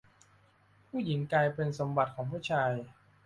ผู้หญิงกลายเป็นสมบัติของผู้ชาย